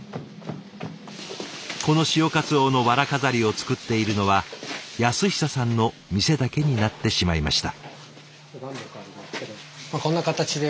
この「潮かつおのわら飾り」を作っているのは安久さんの店だけになってしまいました。